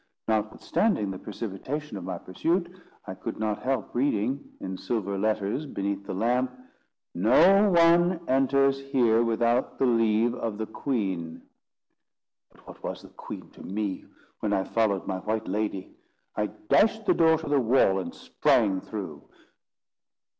Notwithstanding the precipitation of my pursuit, I could not help reading, in silver letters beneath the lamp: "No one enters here without the leave of the Queen." But what was the Queen to me, when I followed my white lady? I dashed the door to the wall and sprang through.